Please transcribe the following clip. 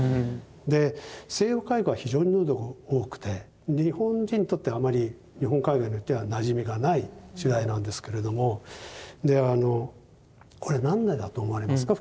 で西洋絵画は非常にヌードが多くて日本人にとってはあまり日本絵画によってはなじみがない主題なんですけれどもであのこれはなんでだと思われますか？